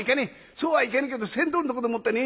そうはいかねえけど船頭のとこでもってね